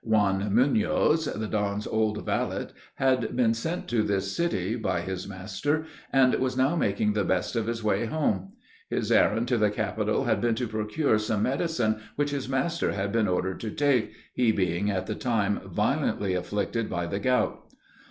Juan Munoz, the Don's old valet, had been sent to this city, by his master, and was now making the best of his way home. His errand to the capital had been to procure some medicine which his master had been ordered to take, he being at the time violently afflicted by the gout.